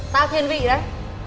tao thiên vị đấy